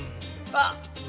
あっ。